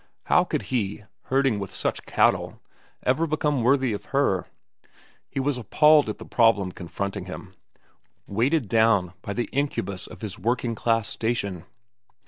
How could he, herding with such cattle, ever become worthy of her? He was appalled at the problem confronting him, weighted down by the incubus of his working class station.